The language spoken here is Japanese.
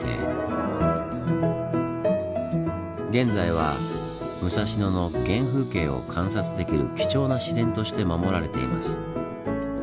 現在は武蔵野の原風景を観察できる貴重な自然として守られています。